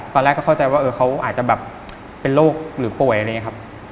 ตอนแรกก็เข้าใจว่าเขาอาจจะแบบเป็นโรคหรือป่วยอะไรอย่างนี้ครับ